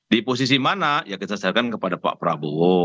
di posisi mana ya kita serahkan kepada pak prabowo